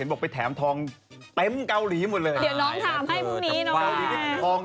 เห็นผู้ชายเกาหลีร้อนแล้วยืน